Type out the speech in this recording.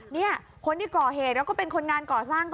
นี่คนที่ก่อเหตุแล้วก็เป็นคนงานก่อสร้าง